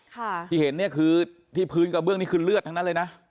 ที่เห็นเนี่ยคือที่พื้นกระเบื้องนี่คือเลือดทั้งนั้นเลยนะ